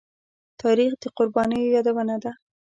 تاریخ د قربانيو يادونه ده.